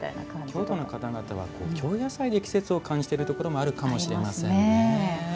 京都の方々は、京野菜で季節を感じているところもあるかもしれませんね。